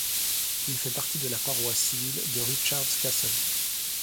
Il fait partie de la paroisse civile de Richard's Castle.